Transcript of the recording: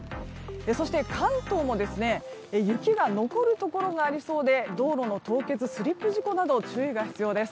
そして、関東も雪が残るところがありそうで道路の凍結、スリップ事故など注意が必要です。